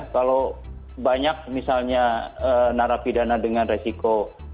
kalau banyak misalnya narapidana dengan resiko